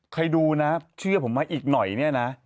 ใครดูนะเชื่อผมว่าอีกหน่อยเนี่ยนะ